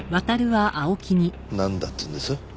なんだって言うんです？